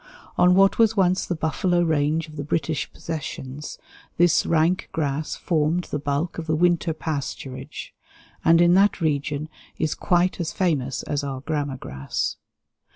On what was once the buffalo range of the British Possessions this rank grass formed the bulk of the winter pasturage, and in that region is quite as famous as our grama grass.